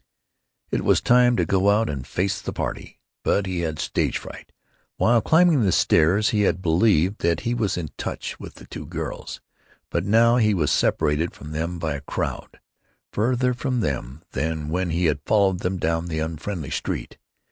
It was time to go out and face the party, but he had stage fright. While climbing the stairs he had believed that he was in touch with the two girls, but now he was separated from them by a crowd, farther from them than when he had followed them down the unfriendly street.